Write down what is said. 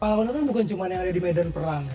pahalal itu bukan cuma yang ada di medan perang